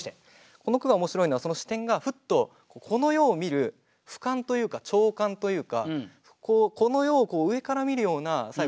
この句がおもしろいのはその視点がフッとこの世を見る俯瞰というか鳥瞰というかこの世を上から見るような最後虫の視点に来るんですよね。